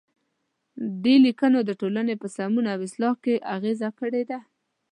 دې لیکنو د ټولنې په سمون او اصلاح کې اغیزه کړې ده.